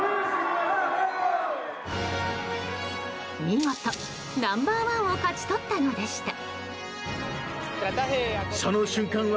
見事、ナンバー１を勝ち取ったのでした。